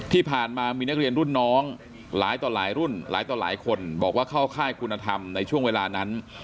ที่ผ่านมามีนักเรียนรุ่นน้องหลายต่อหลายรุ่นหลายต่อหลายคนบอกว่าเข้าค่ายคุณธรรมในช่วงเวลานั้น